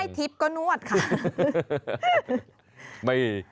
ถ้าให้ทิพย์ก็นวดค่ะ